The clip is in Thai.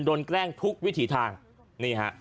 แกล้งทุกวิถีทางนี่ฮะ